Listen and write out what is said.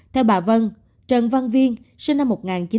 theo bà vân trần văn viên sinh năm một nghìn chín trăm chín mươi hai